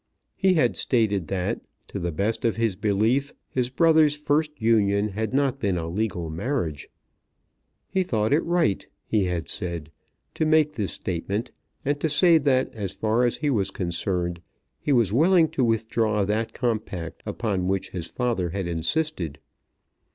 He had stated that, to the best of his belief, his brother's first union had not been a legal marriage. He thought it right, he had said, to make this statement, and to say that as far as he was concerned he was willing to withdraw that compact upon which his father had insisted.